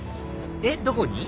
えっどこに？